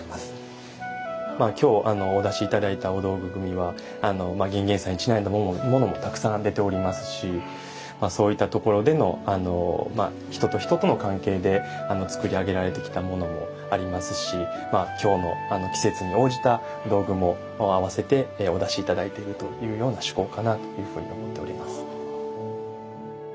今日お出し頂いたお道具組は玄々斎にちなんだものもたくさん出ておりますしそういったところでの人と人との関係で作り上げられてきたものもありますし今日の季節に応じた道具も合わせてお出し頂いているというような趣向かなというふうに思っております。